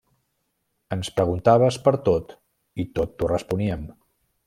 Ens preguntaves per tot i tot t’ho responíem.